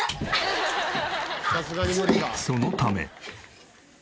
そのため。